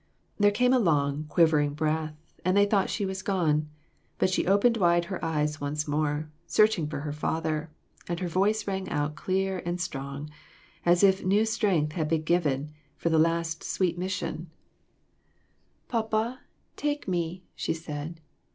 There came a long, quivering breath, and they thought she was gone; but she opened wide her eyes once more, searching for her father, and her voice rang out clear and strong as if new strength had been given for the last sweet mission. 37 2 A MODERN MARTYR. " Papa, take me !" she said.